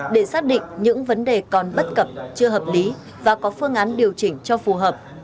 để xác định những vấn đề còn bất cập chưa hợp lý và có phương án điều chỉnh cho phù hợp